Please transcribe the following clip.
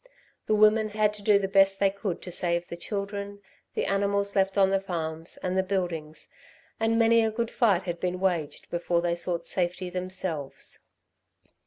The women had to do the best they could to save the children, the animals left on the farms, and the buildings, and many a good fight had been waged before they sought safety themselves.